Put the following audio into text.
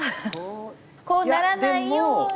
こうならないように。